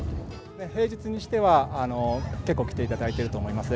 平日にしては結構、来ていただいていると思います。